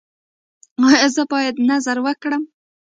ایا زه باید نذر ورکړم؟